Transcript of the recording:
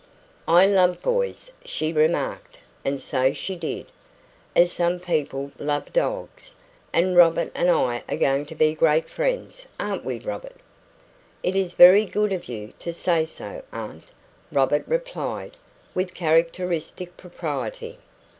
"I love boys," she remarked and so she did, as some people love dogs "and Robert and I are going to be great friends; aren't we, Robert?" "It is very good of you to say so, aunt," Robert replied, with characteristic propriety.